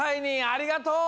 ありがとう！